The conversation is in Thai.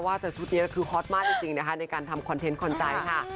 แต่ชุดนี้คือฮอตมากจริงนะคะในการทำคอนเทนต์คอนใจค่ะ